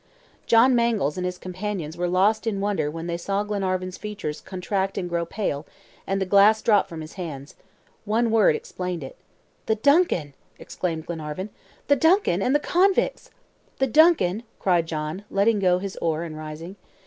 John Mangles and his companions were lost in wonder when they saw Glenarvan's features contract and grow pale, and the glass drop from his hands. One word explained it. "The DUNCAN!" exclaimed Glenarvan. "The DUNCAN, and the convicts!" "The DUNCAN!" cried John, letting go his oar and rising.